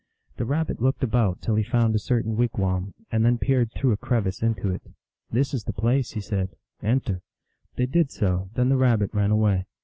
The Rabbit looked about till he found a certain wigwam, and then peered through a crevice into it. " This is the place," he said. " Enter." They did so ; then the Rabbit ran away.